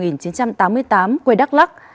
năm một nghìn chín trăm tám mươi tám quê đắk lắc